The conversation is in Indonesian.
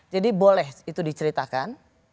jadi boleh itu diceritakan